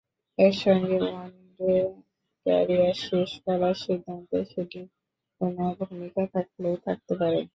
একসঙ্গে one day career শেষ করার সিদ্ধান্তে সেটির কোনো ভূমিকা থাকলেও থাকতে পারে।